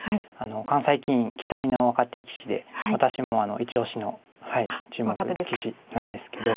関西棋院期待の若手棋士で私も一押しの注目棋士なんですけど。